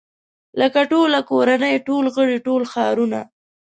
لکه ټوله کورنۍ ټول غړي ټول ښارونه.